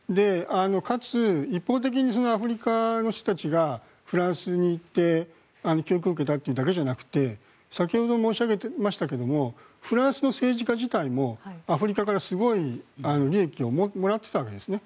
かつ、一方的にアフリカの人たちがフランスに行って、教育を受けたというだけではなくて先ほども申し上げましたがフランスの政治家自体もアフリカからすごい利益をもらっていたわけですね。